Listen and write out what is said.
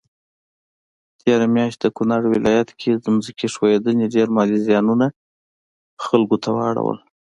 تيره مياشت د کونړ ولايت کي ځمکي ښویدني ډير مالي ځانی زيانونه خلکوته واړول